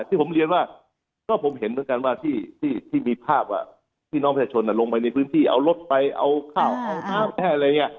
ที่ผมเรียนว่าก็ผมเห็นเหมือนกันว่าที่มีภาพว่าพี่น้องประชาชนลงไปในพื้นที่เอารถไปเอาข้าวเอาข้าวแช่อะไรอย่างนี้